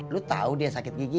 lu tahu dia sakit gigi